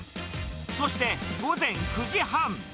そして午前９時半。